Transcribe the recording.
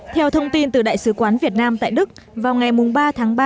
theo thông tin từ đại sứ quán việt nam tại đức vào ngày ba tháng ba